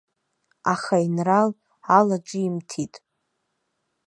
Аха аинрал алаҿимҭит.